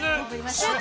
シュート！